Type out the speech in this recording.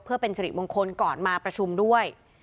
เพื่อเป็นสิริมงคลก่อนมาประชุมด้วย